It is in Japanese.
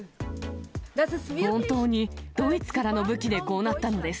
本当にドイツからの武器でこうなったのです。